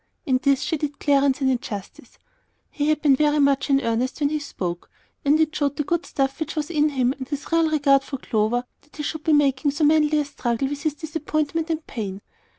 In this she did Clarence an injustice. He had been very much in earnest when he spoke; and it showed the good stuff which was in him and his real regard for Clover that he should be making so manly a struggle with his disappointment and pain.